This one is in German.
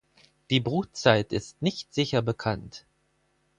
Die Brutzeit ist nicht sicher bekannt.